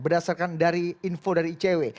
berdasarkan dari info dari icw